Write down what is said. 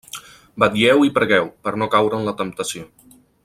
Vetlleu i pregueu, per no caure en la temptació.